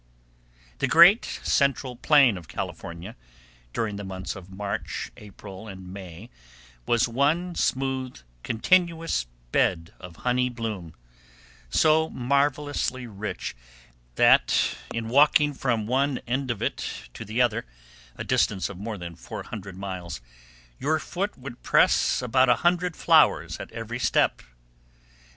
The Great Central Plain of California, during the months of March, April, and May, was one smooth, continuous bed of honey bloom, so marvelously rich that, in walking from one end of it to the other, a distance of more than 400 miles, your foot would press about a hundred flowers at every step.